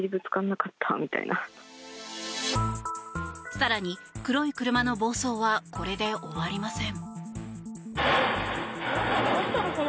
更に、黒い車の暴走はこれで終わりません。